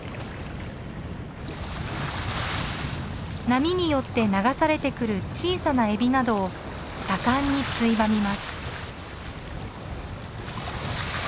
波によって流されてくる小さなエビなどを盛んについばみます。